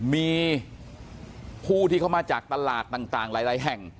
มีผู้ที่เข้ามาจากตลาดต่างหลายแห่ง